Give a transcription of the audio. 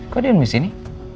kok adi yang disini